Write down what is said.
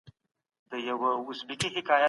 که فرد د دولت اطاعت ونه کړي نو ټولنيز نظم خرابيږي.